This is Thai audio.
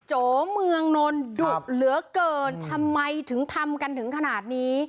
โจเมืองนนดุเหลือเกินทำไมถึงทำกันถึงขนาดนี้